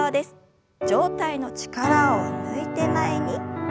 上体の力を抜いて前に。